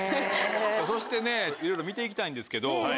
そしていろいろ見て行きたいんですけど。